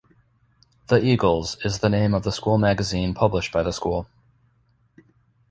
"The Eagles" is the name of the school magazine published by the school.